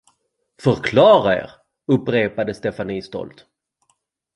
Förklara er? upprepade Stefanie stolt.